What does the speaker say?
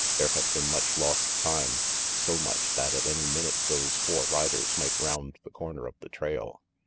There had been much lost time, so much that at any minute those four riders might round the corner of the trail.